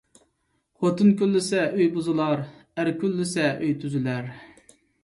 خوتۇن كۈنلىسە ئۆي بۇزۇلار، ئەر كۈنلىسە ئۆي تۈزۈلەر